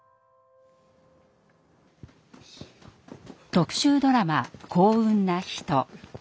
特集ドラマ「幸運なひと」。